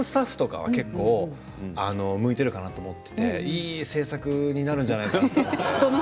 制作スタッフとかは結構向いているかなと思っていていいスタッフになるんじゃないかなと思って。